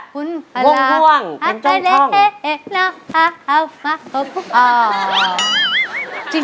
วงห่วงเป็นจ้องช่อง